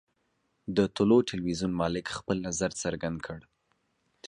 د طلوع ټلویزیون مالک خپل نظر څرګند کړ.